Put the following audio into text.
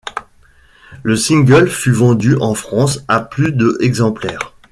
Le single fut vendu en France à plus de exemplaires.